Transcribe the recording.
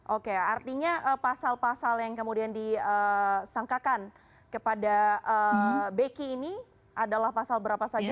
oke artinya pasal pasal yang kemudian disangkakan kepada beki ini adalah pasal berapa saja